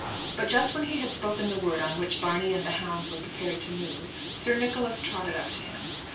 But just when he had spoken the word on which Barney and the hounds were prepared to move, Sir Nicholas trotted up to him.